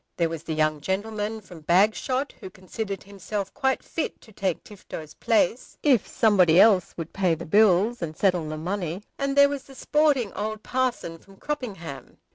There was the young gentleman from Bagshot, who considered himself quite fit to take Tifto's place if somebody else would pay the bills and settle the money, and there was the sporting old parson from Croppingham.